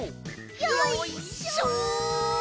よいしょ！